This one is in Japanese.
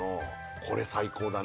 これ最高だね